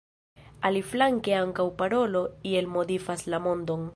Aliflanke ankaŭ parolo iel modifas la mondon.